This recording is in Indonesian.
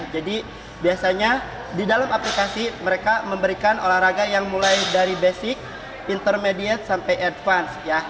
jadi biasanya di dalam aplikasi mereka memberikan olahraga yang mulai dari basic intermediate sampai advanced